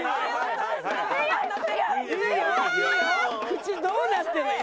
口どうなってるの？